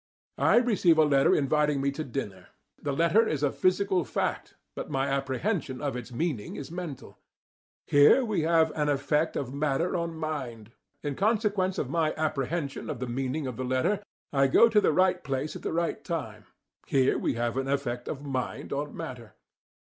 I receive a letter inviting me to dinner: the letter is a physical fact, but my apprehension of its meaning is mental. Here we have an effect of matter on mind. In consequence of my apprehension of the meaning of the letter, I go to the right place at the right time; here we have an effect of mind on matter.